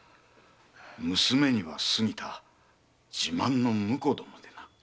娘には過ぎた自慢の婿殿でな。